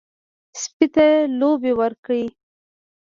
سپي ته لوبې ورکړئ.